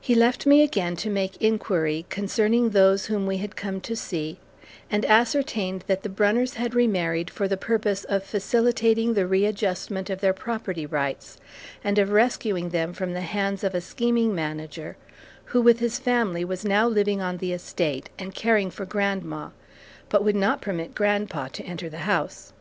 He left me again to make inquiry concerning those whom we had come to see, and ascertained that the Brunners had remarried for the purpose of facilitating the readjustment of their property rights, and of rescuing them from the hands of a scheming manager, who, with his family, was now living on the estate, and caring for grandma, but would not permit grandpa to enter the house.